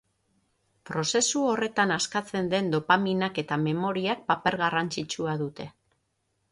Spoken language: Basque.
Prozesu horretan askatzen den dopaminak eta memoriak paper garrantzitsua dute.